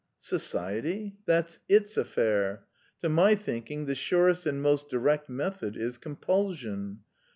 "Society? That's its affair. To my thinking the surest and most direct method is compulsion.